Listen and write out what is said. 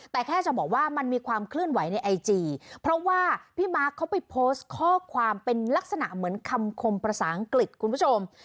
แต่แค่จะบอกว่ามันมีความเคลื่อนไหวในไอจีเพราะว่าพี่มาร์คเขาไปโพสต์ข้อความเป็นลักษณะเหมือนคำคมภาษาอังกฤษคุณผู้ชม